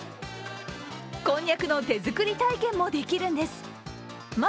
こんにゃくの手作り体験もできるんです。